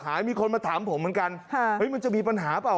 มีคนมาถามผมเหมือนกันมันจะมีปัญหาเปล่า